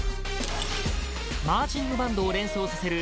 マーチングバンドを連想させる